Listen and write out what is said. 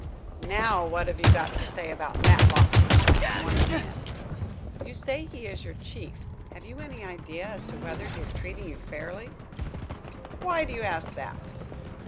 "Now, what have you got to say about Matlock?" asked one of the men. "You say he is your chief. Have you any idea as to whether he is treating you fairly?" "Why do you ask that?"